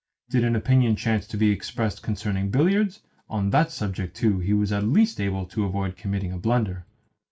Did an opinion chance to be expressed concerning billiards, on that subject too he was at least able to avoid committing a blunder.